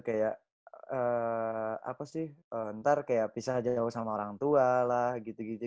kayak apa sih ntar kayak pisah aja sama orang tua lah gitu gitu